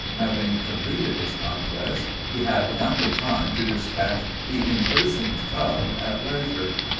Having completed his conquest, he had ample time to dispatch the imprisoned cub at leisure."